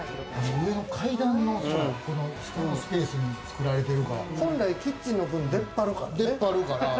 階段の下のスペースに作られてるから、本来、キッチンのために出っ張るからね。